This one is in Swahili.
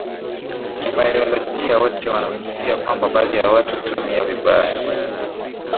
kibayolojiawote wanakisia kwamba baadhi ya watu hutumia vibaya